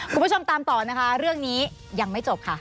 คุณผู้ชมตามต่อนะคะเรื่องนี้ยังไม่จบค่ะ